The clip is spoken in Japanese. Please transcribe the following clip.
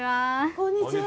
こんにちは。